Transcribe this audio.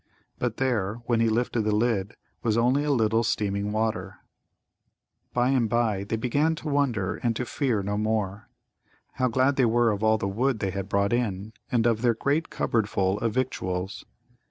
But there, when he lifted the lid, was only a little steaming water. By and by they began to wonder and to fear no more. How glad they were of all the wood they had brought in, and of their great cupboardful of victuals!